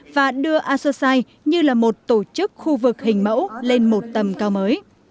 và đưa associati như là một tổ chức khu vực hình mẫu lên một tầm cao mới